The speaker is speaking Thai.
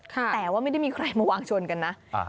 แต่ว่าไม่ได้มีใครมาวางชนกันนะ